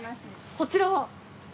こちらは？